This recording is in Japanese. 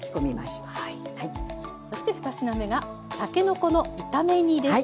そして２品目がたけのこの炒め煮です。